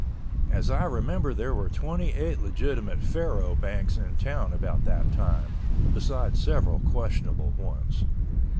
As I remember there was 28 legitimate faro banks in town about that time, besides several questionable ones.